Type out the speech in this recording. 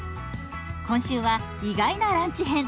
今週は意外なランチ編。